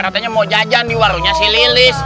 katanya mau jajan di warungnya si lilis